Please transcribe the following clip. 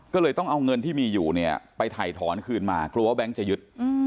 ก็เลยต้องเอาเงินที่มีอยู่เนี่ยไปถ่ายถอนคืนมากลัวว่าแบงค์จะยึด